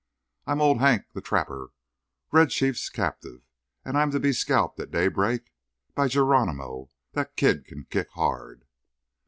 I'm Old Hank, the Trapper, Red Chief's captive, and I'm to be scalped at daybreak. By Geronimo! that kid can kick hard."